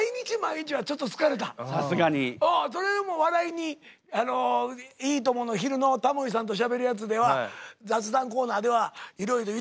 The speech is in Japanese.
それでも笑いに「いいとも！」の昼のタモリさんとしゃべるやつでは雑談コーナーではいろいろ言ってましたけども。